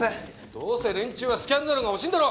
どうせ連中はスキャンダルがほしいんだろ？